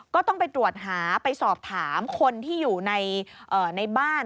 ก็ต้องไปตรวจหาไปสอบถามคนที่อยู่ในบ้าน